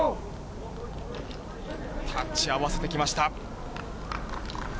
タッチ合わせてきました。